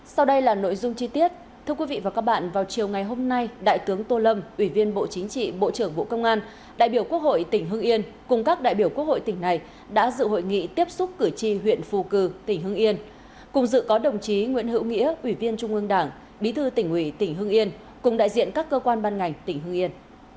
sau đây là nội dung chi tiết thưa quý vị và các bạn vào chiều ngày hôm nay đại tướng tô lâm ủy viên bộ chính trị bộ trưởng bộ công an đại biểu quốc hội tỉnh hưng yên cùng các đại biểu quốc hội tỉnh này đã dự hội nghị tiếp xúc cử tri huyện phù cử tỉnh hưng yên cùng dự có đồng chí nguyễn hữu nghĩa ủy viên trung ương đảng bí thư tỉnh huy tỉnh hưng yên cùng đại diện các cơ quan ban ngành tỉnh hưng yên